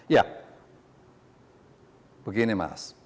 ya begini mas